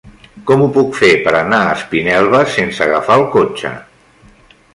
Com ho puc fer per anar a Espinelves sense agafar el cotxe?